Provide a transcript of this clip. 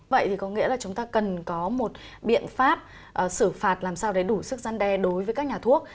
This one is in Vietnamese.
vậy thì có nghĩa là chúng ta cần có một biện pháp xử phạt làm sao để đủ sức gian đe đối với các nhà thuốc